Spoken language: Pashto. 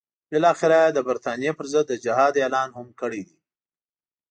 بالاخره یې د برټانیې پر ضد د جهاد اعلان هم کړی دی.